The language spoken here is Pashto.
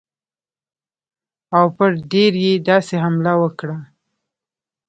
او پر دیر یې داسې حمله وکړه.